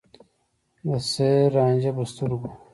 د سحر رانجه په سترګو